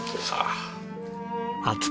さあ。